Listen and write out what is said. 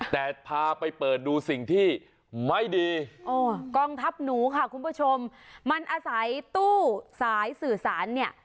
แต่พาไปเปิดดูสิ่งที่ไม่ดีกองทัพหนูค่ะคุณผู้ชมมันอาศัยตู้สายสื่อสารเนี่ย